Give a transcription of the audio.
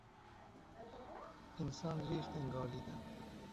انسان ریخت انگاریدن